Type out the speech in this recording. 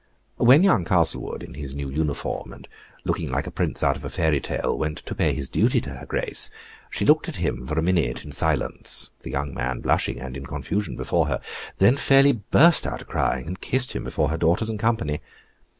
When young Castlewood, in his new uniform, and looking like a prince out of a fairy tale, went to pay his duty to her Grace, she looked at him for a minute in silence, the young man blushing and in confusion before her, then fairly burst out a crying, and kissed him before her daughters and company.